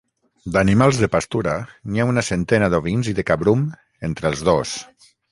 D'animals de pastura, n'hi ha una centena d'ovins i de cabrum, entre els dos.